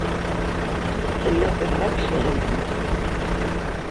Tella tebɣa ad tefhem.